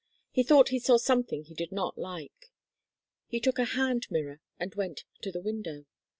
He thought he saw something he did not like. He took a hand mirror and went to the window.